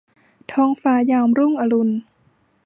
ท้องฟ้ายามรุ่งอรุณ